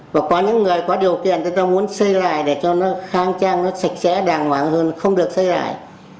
và có những người có điều kiện người ta muốn xây lại để cho nó khang trang nó sạch sẽ đàng hoàng hơn không được xây lại